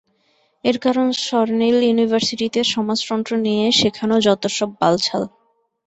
এর কারণ সরনেইল ইউনিভার্সিটিতে সমাজতন্ত্র নিয়ে শেখানো যত্তসব বালছাল।